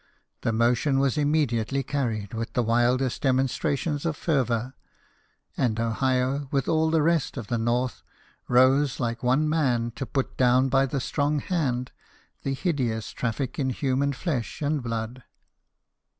The motion was immediately carried with the wildest demonstrations of fervour, and Ohio, with all the rest of the North, rose like one man to put down by the strong hand the hideous traffic in human flesh and blood.